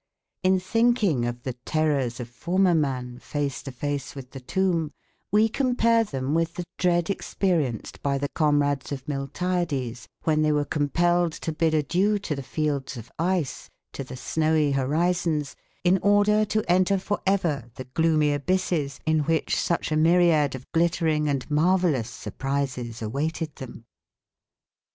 In thinking of the terrors of former man, face to face with the tomb, we compare them with the dread experienced by the comrades of Miltiades when they were compelled to bid adieu to the fields of ice, to the snowy horizons, in order to enter for ever the gloomy abysses in which such a myriad of glittering and marvellous surprises awaited them.